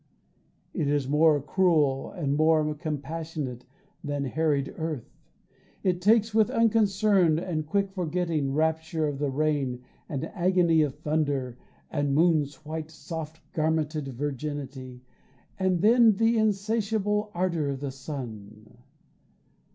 It is more cruel and more compassionate Than harried earth. It takes with unconcern And quick forgetting, rapture of the rain And agony of thunder, the moon's white Soft garmented virginity, and then The insatiable ardor of the sun.